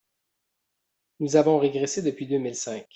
Nous avons régressé depuis deux mille cinq.